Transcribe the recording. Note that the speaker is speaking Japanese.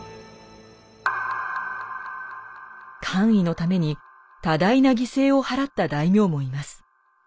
官位のために多大な犠牲を払った大名もいます。